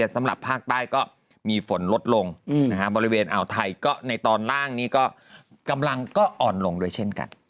สำหรับภาคใต้ก็มีฝนลดลงบริเวณอ่าวไทยก็ในตอนล่างนี้ก็กำลังก็อ่อนลงด้วยเช่นกัน